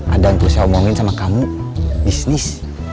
ada yang terus saya omongin sama kamu bisnis